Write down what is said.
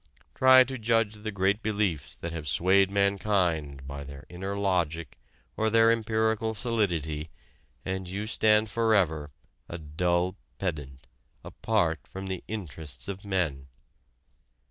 Try to judge the great beliefs that have swayed mankind by their inner logic or their empirical solidity and you stand forever, a dull pedant, apart from the interests of men.